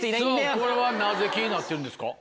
これはなぜ気になってるんですか？